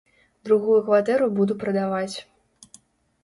Другую кватэру буду прадаваць.